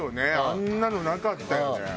あんなのなかったよね。